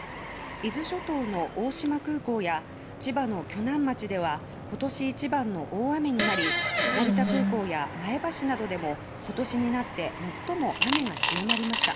伊豆諸島の大島空港や千葉の鋸南町では今年一番の大雨になり成田空港や前橋などでも今年になって最も雨が強まりました。